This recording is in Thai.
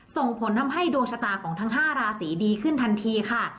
ส่งผลทำให้ดวงชะตาของทั้ง๕ราศีดีขึ้นทันทีค่ะ